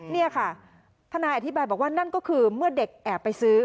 นี่ค่ะทนายอธิบายบอกว่านั่นก็คือเมื่อเด็กแอบไปซื้อ